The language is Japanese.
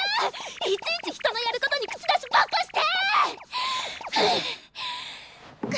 いちいち人のやることに口出しばっかして！